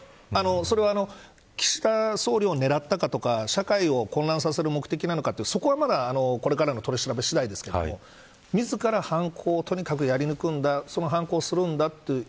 それは岸田総理を狙ったかとか社会を混乱させる目的なのかとかそこはまだこれからの取り調べ次第ですが自ら犯行をとにかくやり抜くんだ。